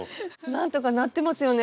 なんとかなってますよね